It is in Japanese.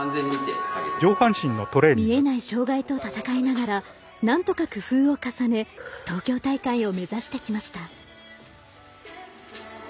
見えない障がいと戦いながら何とか工夫を重ね東京大会を目指してきました。